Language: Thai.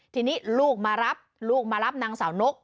ทีนี้ลูกมารับลูกมารับนางสาวนก